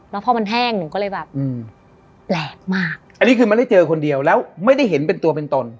แล้วพอมันแห้งหนูก็เลยแบบอืมแปลกมากอันนี้คือมันได้เจอคนเดียวแล้วไม่ได้เห็นเป็นตัวเป็นตน